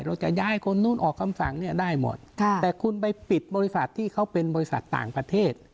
เราจะย้ายคนนู้นออกคำสั่งเนี่ยได้หมดค่ะแต่คุณไปปิดบริษัทที่เขาเป็นบริษัทต่างประเทศ